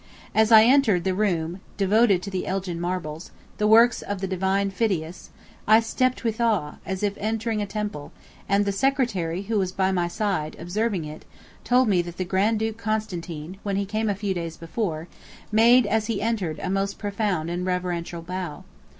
... As I entered the room devoted to the Elgin marbles, the works of the "divine Phidias," I stepped with awe, as if entering a temple, and the Secretary, who was by my side, observing it, told me that the Grand Duke Constantine, when he came a few days before, made, as he entered, a most profound and reverential bow.